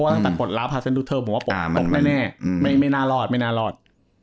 เพราะตั้งแต่๑๐๐รูปเทิมผมว่าตกไหมไม่แน่ตกไม่น่ารอด